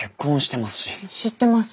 知ってます。